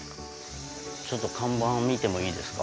ちょっと看板を見てもいいですか？